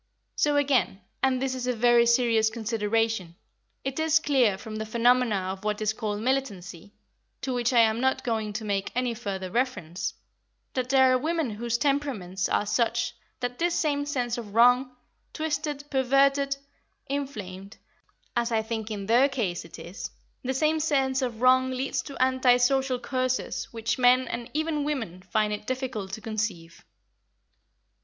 So, again, and this is a very serious consideration, it is clear from the phenomena of what is called militancy, to which I am not going to make any further reference, that there are women whose temperaments are such that this same sense of wrong, twisted, perverted, inflamed, as I think in their case it is, the same sense of wrong leads to anti social courses which men and even women find it difficult to conceive."